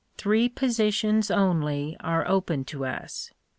Three positions only are open to us.